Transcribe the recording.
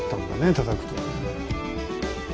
たたくとね。